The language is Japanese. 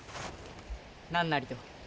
何なりと。